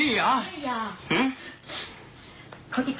ไม่อยาก